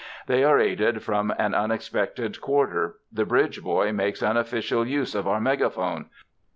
They are aided from an unexpected quarter. The bridge boy makes unofficial use of our megaphone.